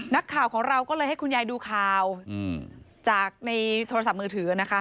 นักข่าวของเราก็เลยให้คุณยายดูข่าวจากในโทรศัพท์มือถือนะคะ